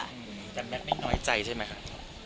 แต่แม่ไม่น้อยใจใช่ไหมคะ